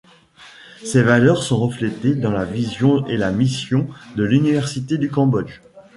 Ces valeurs sont reflétées dans la vision et la mission de l'Université du Cambodge.